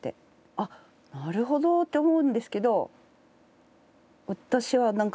あっなるほど！って思うんですけど。